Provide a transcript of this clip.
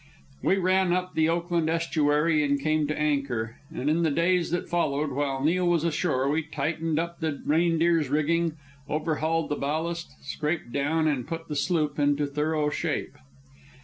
We ran up the Oakland Estuary and came to anchor, and in the days that followed, while Neil was ashore, we tightened up the Reindeer's rigging, overhauled the ballast, scraped down, and put the sloop into thorough shape.